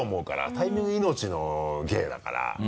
タイミング命の芸だから。